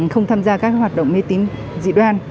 không tham gia các hoạt động mê tín dị đoan